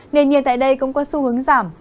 nền nhiệt tại đây cũng có xu hướng giảm